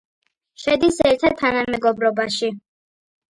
შედის ერთა თანამეგობრობაში.